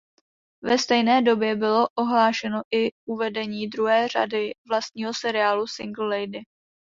Ve stejné době bylo ohlášeno i uvedení druhé řady vlastního seriálu "Single Lady".